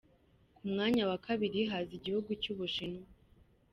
Ku mwanya wa kabiri haza igihugu cy’u Bushinwa.